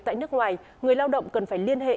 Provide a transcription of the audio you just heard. tại nước ngoài người lao động cần phải liên hệ